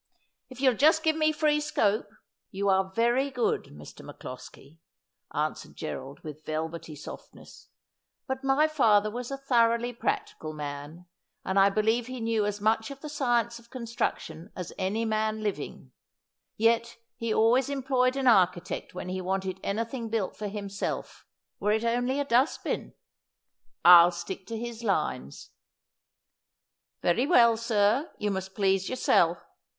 If you'll just give me free scope '' You are very good, Mr. MacCloskie,' answered Gerald with velvety softness, ' but my father was a thoroughly practical man, and I believe he knew as much of the science of construction as any man living ; yet he always employed an architect when he wanted anything built for himself, were it only a dustbin. I'll stick to his lines.' ' Very well, sir, you must please yourself.